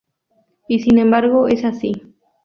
Y sin embargo es así.